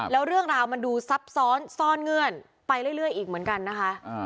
แล้วเรื่องราวมันดูซับซ้อนซ่อนเงื่อนไปเรื่อยอีกเหมือนกันนะคะ